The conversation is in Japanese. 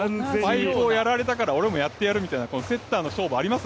パイプをやられたから俺もやってやるっていうセッターのやりあい。